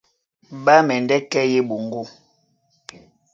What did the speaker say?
Ɓá mɛndɛ́ kɛ́ yé eɓoŋgó,